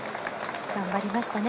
頑張りましたね。